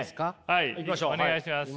はいお願いします。